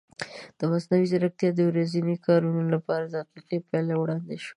مصنوعي ځیرکتیا د ورځنیو کارونو لپاره دقیقې پایلې وړاندې کوي.